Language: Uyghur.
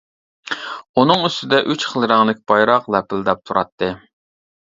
ئۇنىڭ ئۈستىدە ئۈچ خىل رەڭلىك بايراق لەپىلدەپ تۇراتتى.